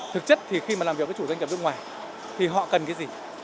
thực chất thì khi mà làm việc với chủ doanh nghiệp nước ngoài thì họ cần cái gì